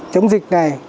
chống dịch này